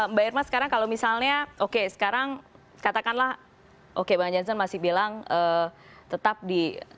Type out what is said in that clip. mbak irma sekarang kalau misalnya oke sekarang katakanlah oke bang jansen masih bilang tetap di koalisi prabowo tetap di jokowi